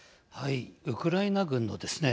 ウクライナ軍のですね